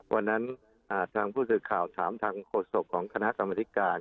วันนั้นทางผู้สื่อข่าวถามทางโฆษกของคณะกรรมธิการ